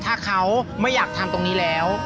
ถ้าเขาไม่อยากทำตรงนี้แล้ว